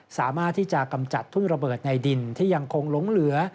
สามารถที่จะกำจัดทุ่งระเบิดในดินที่ยังคงหลงเหลือ